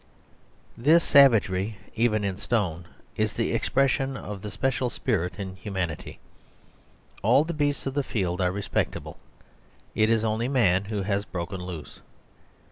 ..... This savagery even in stone is the expression of the special spirit in humanity. All the beasts of the field are respectable; it is only man who has broken loose.